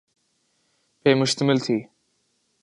پہ مشتمل تھی۔